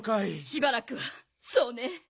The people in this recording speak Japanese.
しばらくはそうねえ